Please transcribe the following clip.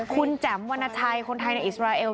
คุณแจ๋มวรรณชัยคนไทยในอิสราเอล